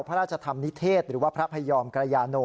พระราชธรรมนิเทศหรือว่าพระพยอมกรยาโน